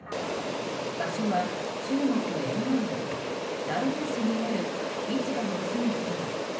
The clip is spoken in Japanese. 場所は中国沿岸部大連市にある市場のすぐそば。